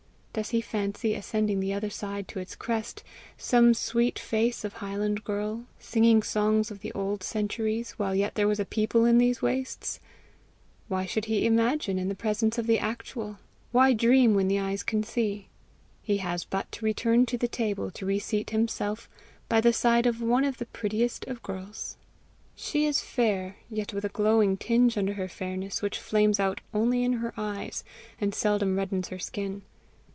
Does he fancy, ascending the other side to its crest, some sweet face of highland girl, singing songs of the old centuries while yet there was a people in these wastes? Why should he imagine in the presence of the actual? why dream when the eyes can see? He has but to return to the table to reseat himself by the side of one of the prettiest of girls! She is fair, yet with a glowing tinge under her fairness which flames out only in her eyes, and seldom reddens her skin.